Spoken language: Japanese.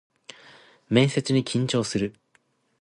面接に緊張する